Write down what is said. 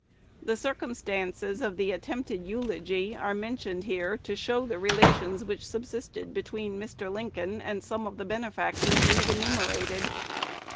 The circumstances of the attempted eulogy are mentioned here to show the relations which subsisted between Mr. Lincoln and some of the benefactors we have enumerated.